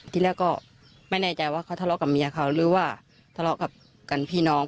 ที่แรกก็ไม่แน่ใจว่าเขาทะเลาะกับเมียเขาหรือว่าทะเลาะกับกันพี่น้อง